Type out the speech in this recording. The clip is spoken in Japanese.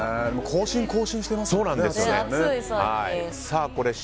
更新、更新してますね暑さが。